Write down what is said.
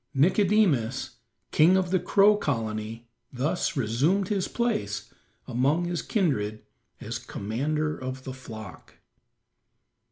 Nicodemus, king of the Crow Colony, thus resumed his place among his kindred as commander of the flock.